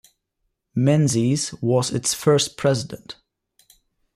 Menzies was its first President.